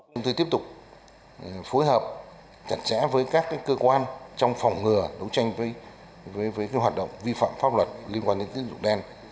chúng tôi tiếp tục phối hợp chặt chẽ với các cơ quan trong phòng ngừa đấu tranh với hoạt động vi phạm pháp luật liên quan đến tín dụng đen